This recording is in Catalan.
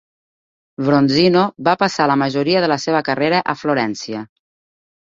Bronzino va passar la majoria de la seva carrera a Florència.